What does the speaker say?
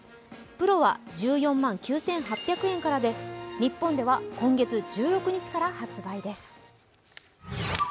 Ｐｒｏは１４万９８００円からで日本では今月１６日から発売です。